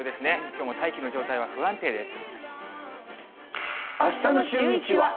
きょうも大気の状態は不安定です。